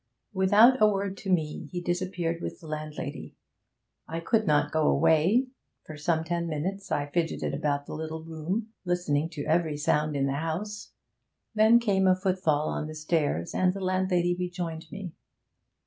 Without a word to me he disappeared with the landlady. I could not go away; for some ten minutes I fidgeted about the little room, listening to every sound in the house. Then came a footfall on the stairs, and the landlady rejoined me.